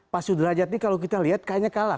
pak sudrajat ini kalau kita lihat kayaknya kalah